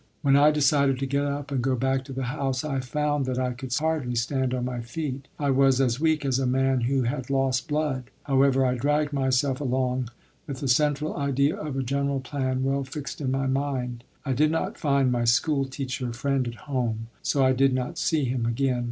When I decided to get up and go back to the house, I found that I could hardly stand on my feet. I was as weak as a man who had lost blood. However, I dragged myself along, with the central idea of a general plan well fixed in my mind. I did not find my school teacher friend at home, so I did not see him again.